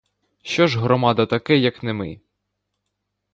Що ж громада таке, як не ми?